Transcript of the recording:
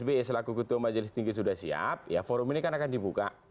tentu ketika nanti pak s b selaku ketua majelis tinggi sudah siap ya forum ini kan akan dibuka